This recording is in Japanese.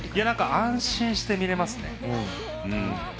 安心して見れますね。